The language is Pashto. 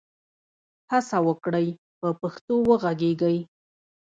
هڅه وکړئ په پښتو وږغېږئ.